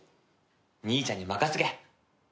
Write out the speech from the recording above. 兄ちゃんに任せとけ。